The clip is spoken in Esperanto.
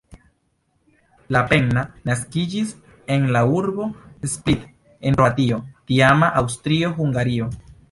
Lapenna naskiĝis en la urbo Split en Kroatio, tiama Aŭstrio-Hungario.